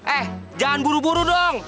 eh jangan buru buru dong